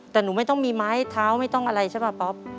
แต่หนูไม่ต้องมีไม้เท้าไม่ต้องอะไรใช่ป่ะป๊อป